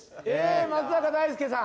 松坂大輔さん。